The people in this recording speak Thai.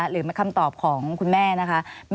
หรือคำตอบของคุณแม่นะคะ